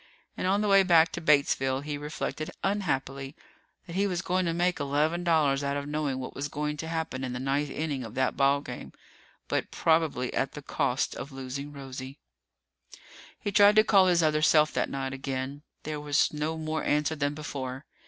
And on the way back to Batesville, he reflected unhappily that he was going to make eleven dollars out of knowing what was going to happen in the ninth inning of that ball game, but probably at the cost of losing Rosie. He tried to call his other self that night again. There was no more answer than before.